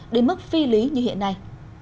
đến mức phi lý như hiện nay